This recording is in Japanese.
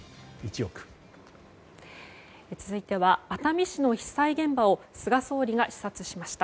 続いては熱海市の被災現場を菅総理が視察しました。